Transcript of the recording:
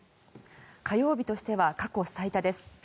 火曜日としては過去最多です。